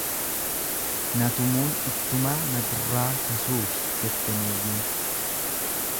Na tumuun ittumaa na gurraachesuufi jette nuugiin.